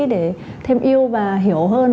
để thêm yêu và hiểu hơn